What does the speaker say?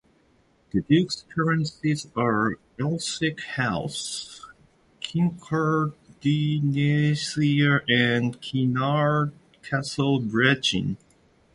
The duke's current seats are Elsick House, Kincardineshire and Kinnaird Castle, Brechin.